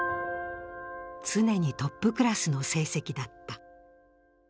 常にトップクラスの成績だった。